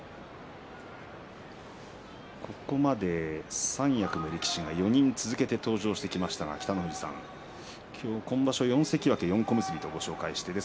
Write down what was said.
ここまで三役の力士が４人続けて登場してきましたが北の富士さん、今場所４関脇４小結とご紹介しています。